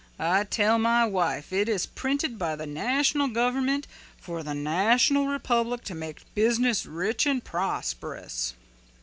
I tell my wife it is printed by the national government for the national republic to make business rich and prosperous."